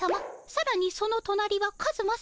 さらにそのとなりはカズマさま。